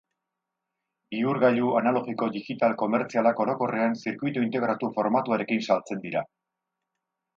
Bihurgailu analogiko digital komertzialak orokorrean zirkuitu integratu formatuarekin saltzen dira.